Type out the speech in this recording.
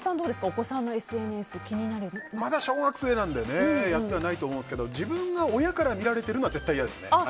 お子さんのＳＮＳはまだ小学生なのでやってはないと思いますが自分が親から見られているのは絶対にいやですね。